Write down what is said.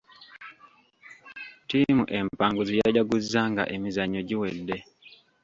Ttiimu empanguzi yajaguza nga emizannyo giwedde.